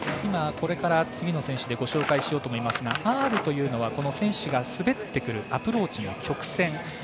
これから次の選手でご紹介しようと思いますがアールというのは選手が滑ってくるアプローチの曲線。